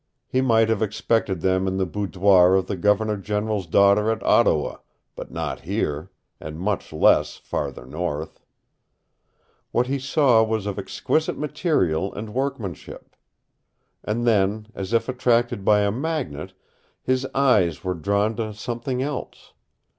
He might have expected them in the boudoir of the Governor General's daughter at Ottawa, but not here and much less farther north. What he saw was of exquisite material and workmanship. And then, as if attracted by a magnet, his eyes were drawn to something else.